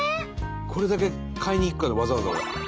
これだけ買いにいくからわざわざ俺。